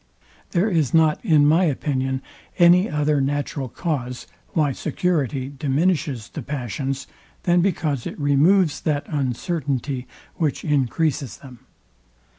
There is not in my opinion any other natural cause, why security diminishes the passions, than because it removes that uncertainty, which encreases them.